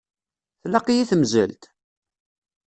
Tlaq-iyi temzelt?